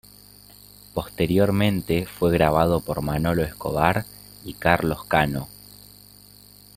Posteriormente fue grabado por Manolo Escobar y Carlos Cano.